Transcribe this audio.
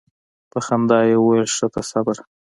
په خندا یې وویل ښه ته صبر.